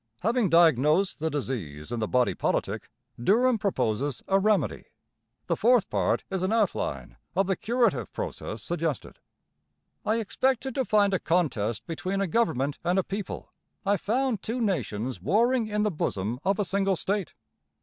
Having diagnosed the disease in the body politic, Durham proposes a remedy. The fourth part is an outline of the curative process suggested. 'I expected to find a contest between a government and a people; I found two nations warring in the bosom of a single state.'